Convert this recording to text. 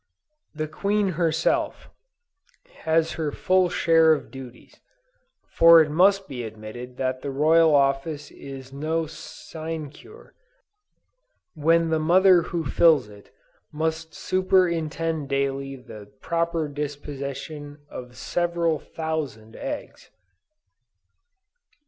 The queen herself, has her full share of duties, for it must be admitted that the royal office is no sinecure, when the mother who fills it, must superintend daily the proper deposition of several thousand eggs!